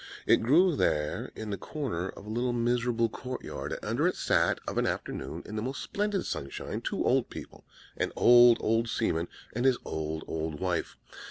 It grew there in the corner of a little miserable court yard; and under it sat, of an afternoon, in the most splendid sunshine, two old people; an old, old seaman, and his old, old wife.